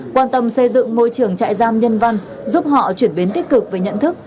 quan tâm xây dựng môi trường trại giam nhân văn giúp họ chuyển biến tích cực về nhận thức